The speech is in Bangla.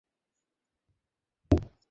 ষোলো আনা উপভোগ করো।